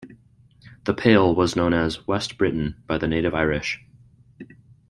The Pale was known as "West Britain" by the native Irish.